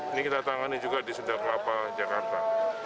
ini kita tangani juga di sunda kelapa jakarta